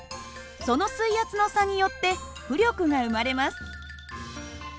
その水圧の差によって浮力が生まれます。